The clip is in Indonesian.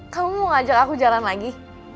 kamu mau ngajak aku jalan lagi